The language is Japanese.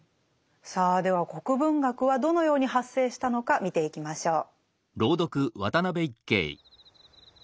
さあでは国文学はどのように発生したのか見ていきましょう。